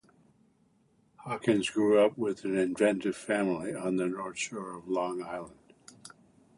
Hawkins grew up with an inventive family on the north shore of Long Island.